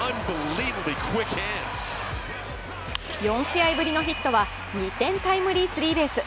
４試合ぶりのヒットは２点タイムリースリーベース。